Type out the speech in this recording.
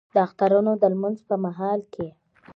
د اخترونو د لمونځ په مهال کې